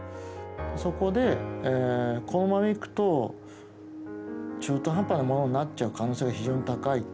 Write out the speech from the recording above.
そこでこのままいくと中途半端なものになっちゃう可能性が非常に高い。